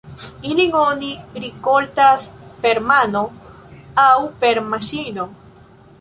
Ilin oni rikoltas per mano aŭ per maŝino.